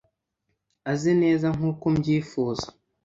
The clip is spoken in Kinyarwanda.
aze neza nk'uko mbyifuza